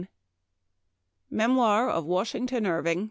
'' Memoir of Washington Irving.